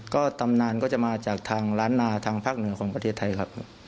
ก็ตำนานก็จะมาจากทางล้านนาทางภาคเหนือของประเทศไทยครับ